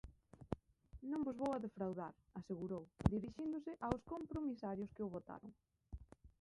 "Non vos vou a defraudar", asegurou, dirixíndose aos compromisarios que o votaron.